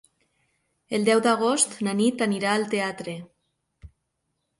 El deu d'agost na Nit anirà al teatre.